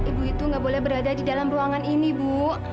ibu itu nggak boleh berada di dalam ruangan ini bu